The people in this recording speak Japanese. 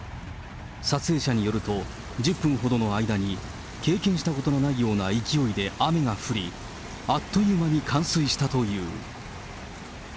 撮影者によると、１０分ほどの間に経験したことのないような勢いで雨が降り、あっという間に冠水したという。